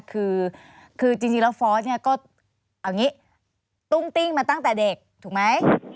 คือจริงแล้วฟอสเนี่ยก็ตุ้งติ้งมาตั้งแต่เด็กถูกไหม